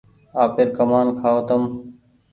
آپير ڪمآن کآئو تم